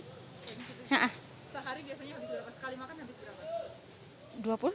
sehari biasanya habis berapa sekali makan